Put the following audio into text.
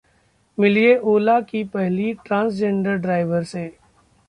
मिलिए ओला की पहली ट्रांसजेंडर ड्राइवर से